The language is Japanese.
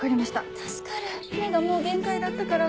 助かる目がもう限界だったから。